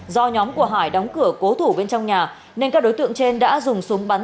do nhóm của hải đóng cửa cố thủ bên trong nhà nên các đối tượng trên đã dùng súng bắn